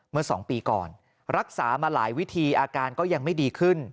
เมื่อ๒ปีก่อนรักษามาหลายวิธีอาการก็ยังไม่ดีขึ้น